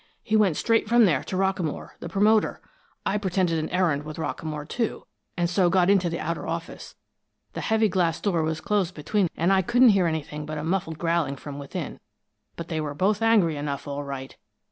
He went straight from there to Rockamore, the promoter. I pretended an errand with Rockamore, too, and so got into the outer office. The heavy glass door was closed between, and I couldn't hear anything but a muffled growling from within, but they were both angry enough, all right.